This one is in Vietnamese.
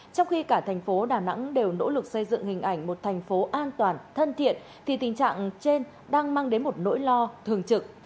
trong khi cả thành phố đà nẵng đều nỗ lực xây dựng hình ảnh một thành phố an toàn thân thiện thì tình trạng trên đang mang đến một nỗi lo thường trực